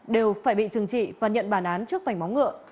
đều phải bị trừng trị và nhận bản án trước vảnh móng ngựa